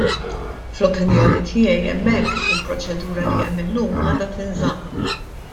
Fl-opinjoni tiegħi hemmhekk il-proċedura li hemm illum għandha tinżamm.